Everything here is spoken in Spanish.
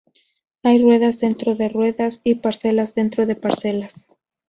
Hay ruedas dentro de ruedas, y parcelas dentro de parcelas.